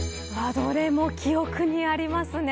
どれも記憶にありますね。